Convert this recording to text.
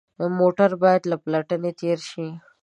موټر باید له پلټنې تېر شي.